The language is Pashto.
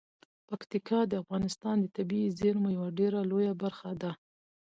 پکتیکا د افغانستان د طبیعي زیرمو یوه ډیره لویه برخه ده.